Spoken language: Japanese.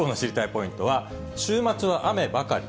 ポイントは、週末は雨ばかり。